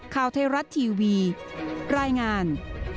ข่าวเทราะห์ทีวีรายงาน